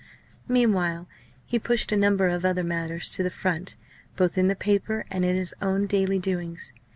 Meanwhile he pushed a number of other matters to the front, both in the paper and in his own daily doings.